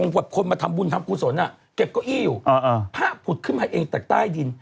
ผ่าผุดขึ้นมาเองจากใต้ดิน